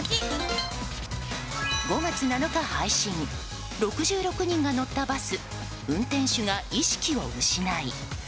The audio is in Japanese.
５月７日配信６６人が乗ったバス運転手が意識を失い。